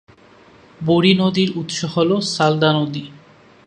বুড়ি নদীর উৎস হল সালদা নদী।